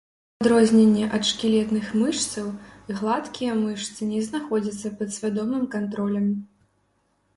У адрозненне ад шкілетных мышцаў, гладкія мышцы не знаходзяцца пад свядомым кантролем.